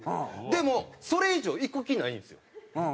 でもそれ以上いく気ないんですよ。